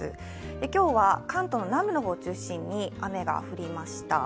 今日は関東の南部の方を中心に雨が降りました。